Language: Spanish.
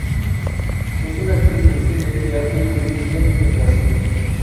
Es una actriz de cine, teatro y televisión en Brasil.